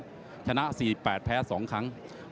ส่วนคู่ต่อไปของกาวสีมือเจ้าระเข้ยวนะครับขอบคุณด้วย